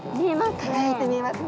輝いて見えますね。